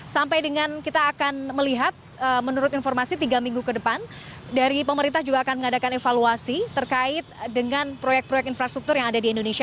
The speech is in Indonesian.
sampai dengan kita akan melihat menurut informasi tiga minggu ke depan dari pemerintah juga akan mengadakan evaluasi terkait dengan proyek proyek infrastruktur yang ada di indonesia